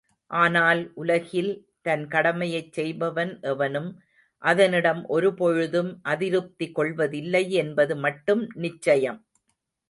ஆனால் உலகில் தன் கடமையைச் செய்பவன் எவனும் அதனிடம் ஒருபொழுதும் அதிருப்தி கொள்வதில்லை என்பது மட்டும் நிச்சயம்.